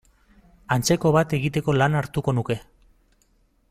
Antzeko bat egiteko lana hartuko nuke.